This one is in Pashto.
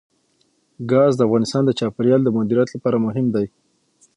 ګاز د افغانستان د چاپیریال د مدیریت لپاره مهم دي.